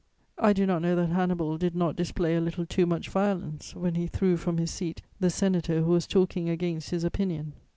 I do not know that Hannibal did not display a little too much violence when he threw from his seat the senator who was talking against his opinion.